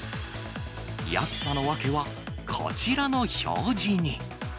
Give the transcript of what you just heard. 安さの訳は、こちらの表示に。